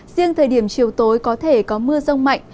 riêng thời điểm chiều tối có thể có mưa rông mạnh